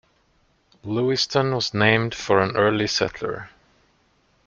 Lewiston was named for an early settler.